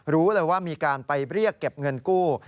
รู้เลยว่ามีการไปเรียกเก็บเงินกู้